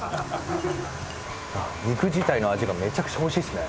肉自体の味がめちゃくちゃ美味しいですね。